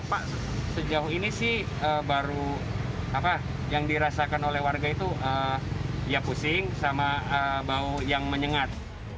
pak sejauh ini sih baru apa yang dirasakan oleh warga itu ya pusing sama bau yang menyengat